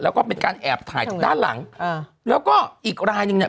แล้วก็เป็นการแอบถ่ายจากด้านหลังอ่าแล้วก็อีกรายนึงเนี่ย